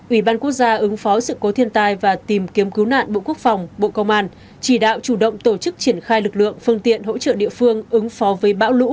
ubnd ứng phó sự cố thiên tai và tìm kiếm cứu nạn bộ quốc phòng bộ công an chỉ đạo chủ động tổ chức triển khai lực lượng phương tiện hỗ trợ địa phương ứng phó với bão lũ sơ tán dân cứu hộ cứu nạn